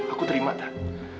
aku terima tak